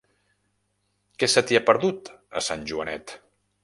Què se t'hi ha perdut, a Sant Joanet?